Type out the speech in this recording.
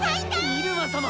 入間様！